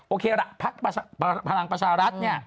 โอเคละพักพลังประชารัฐเนี่ย